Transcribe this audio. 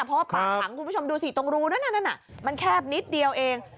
เพราะว่าปากถังคุณผู้ชมดูสิตรงรูนั้นมันแคบนิดเดียวเอง